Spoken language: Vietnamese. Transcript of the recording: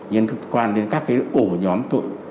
liên quan đến các ổ nhóm tội